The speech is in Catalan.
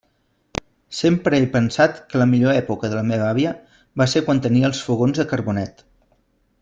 Sempre he pensat que la millor època de la meva àvia va ser quan tenia els fogons de carbonet.